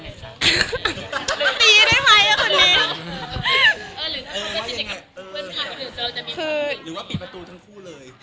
หรือว่าปิดประตูทั้งคู่เลย